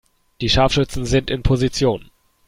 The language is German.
Die Scharfschützen sind in Position.